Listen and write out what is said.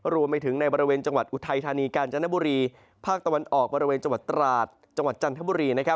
รวมไปถึงในบริเวณจังหวัดอุทัยธานีกาญจนบุรีภาคตะวันออกบริเวณจังหวัดตราดจังหวัดจันทบุรี